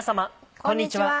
こんにちは。